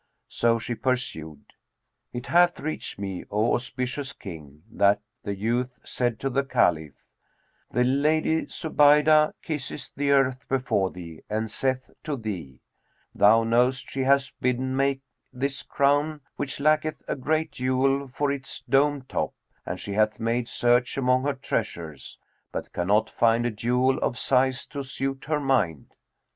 So she pursued: It hath reached me, O auspicious King, that the youth said to the Caliph, "The Lady Zubaydah kisseth the earth before thee and saith to thee, Thou knowest she hath bidden make this crown, which lacketh a great jewel for its dome top; and she hath made search among her treasures, but cannot find a jewel of size to suit her mind."